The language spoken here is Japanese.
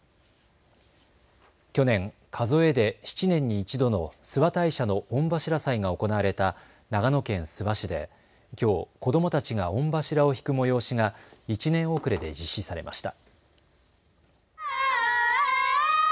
去年、数えで７年に１度の諏訪大社の御柱祭が行われた長野県諏訪市できょう子どもたちが御柱を引く催しが１年遅れで実施されました。